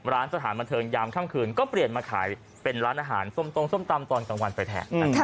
สถานบันเทิงยามค่ำคืนก็เปลี่ยนมาขายเป็นร้านอาหารส้มตรงส้มตำตอนกลางวันไปแทน